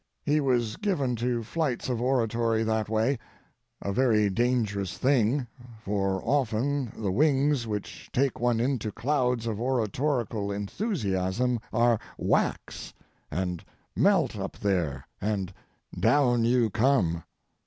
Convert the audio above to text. He was given to flights of oratory that way—a very dangerous thing, for often the wings which take one into clouds of oratorical enthusiasm are wax and melt up there, and down you come.